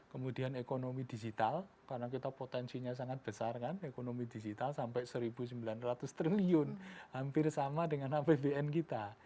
kemudian ekonomi digital karena kita potensinya sangat besar kan ekonomi digital sampai rp satu sembilan ratus triliun hampir sama dengan apbn kita